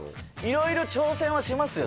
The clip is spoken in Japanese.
色々挑戦はしますよ